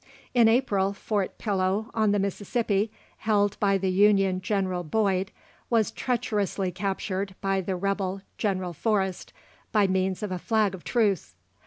In April, Fort Pillow, on the Mississippi, held by the Union General Boyd, was treacherously captured by the rebel General Forrest, by means of a flag of truce.